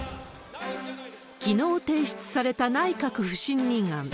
きのう提出された内閣不信任案。